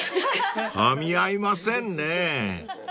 ［かみ合いませんね］